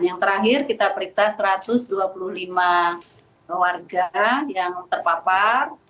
yang terakhir kita periksa satu ratus dua puluh lima warga yang terpapar